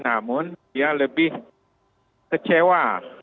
namun dia lebih kecewa